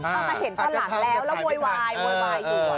อาจจะเห็นตอนหลังแล้วแล้วเวยวายอยู่